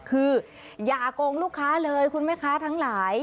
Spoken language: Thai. คืออย่าโกงลูกค้าเลยคุณแม่ค้าทั้งหลาย